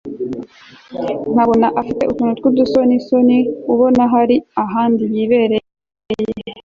nkabona afite utuntu twudusoni soni ubona hari ahandi yibereye